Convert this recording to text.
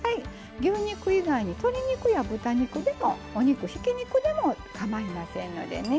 牛肉以外に鶏肉や豚肉でもお肉ひき肉でもかまいませんのでね。